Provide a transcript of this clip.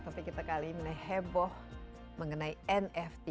topik kita kali ini heboh mengenai nft